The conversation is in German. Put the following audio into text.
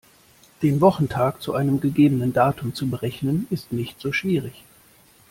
Den Wochentag zu einem gegebenen Datum zu berechnen, ist nicht so schwierig.